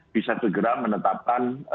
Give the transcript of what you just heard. bisa segera menetapkan